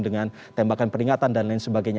dengan tembakan peringatan dan lain sebagainya